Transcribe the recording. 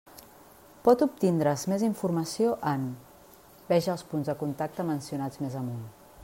Pot obtindre's més informació en: veja els punts de contacte mencionats més amunt.